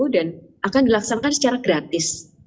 dan akan dilaksanakan secara gratis